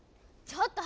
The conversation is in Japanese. ちょっと！